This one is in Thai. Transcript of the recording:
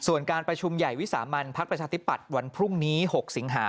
ส่วนการประชุมใหญ่วิสามันพักประชาธิปัตย์วันพรุ่งนี้๖สิงหา